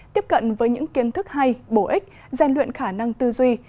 tiếp cận với những kiến thức hay bổ ích gian luyện khả năng tư duy